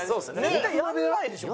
絶対やらないでしょ。